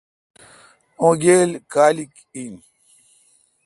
اں گیل کالیک این۔